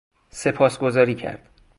سپاسگزاری کرد